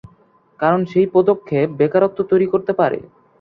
কারণ সেই পদক্ষেপ বেকারত্ব তৈরি করতে পারে।